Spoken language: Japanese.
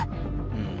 うん。